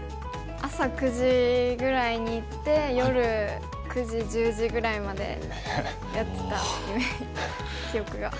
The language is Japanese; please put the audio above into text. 朝９時ぐらいに行って夜９時１０時ぐらいまでやってた記憶が。